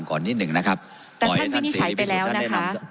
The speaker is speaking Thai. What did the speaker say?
ก่อนนิดหนึ่งนะครับแต่ท่านวินิจฉัยไปแล้วนะคะ